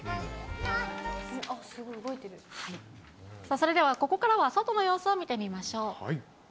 それでは、ここからは外の様子を見てみましょう。